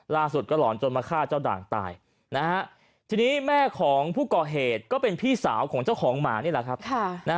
ล่าสุดก็หลอนจนมาฆ่าเจ้าด่างตายนะฮะทีนี้แม่ของผู้ก่อเหตุก็เป็นพี่สาวของเจ้าของหมานี่แหละครับ